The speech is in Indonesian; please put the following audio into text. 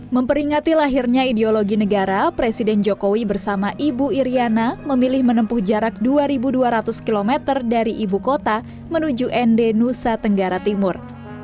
memperingati lahirnya ideologi negara presiden jokowi bersama ibu iryana memilih menempuh jarak dua dua ratus km dari ibu kota menuju nd nusa tenggara timur